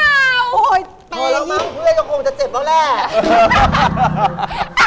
พอเราบ้างเพื่อนก็คงจะเจ็บแล้วแหละ